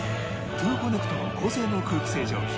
トゥーコネクトの高性能空気清浄機